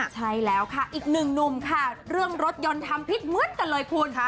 ใช่แล้วค่ะอีกหนึ่งหนุ่มค่ะเรื่องรถยนต์ทำพิษเหมือนกันเลยคุณ